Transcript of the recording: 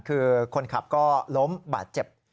คือคนขับก็ล้มบาดเจ็บ